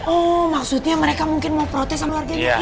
oh maksudnya mereka mungkin mau protes sama keluarganya ika